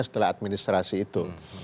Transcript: setelah administrasi itu